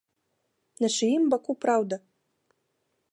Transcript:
На чыім баку праўда?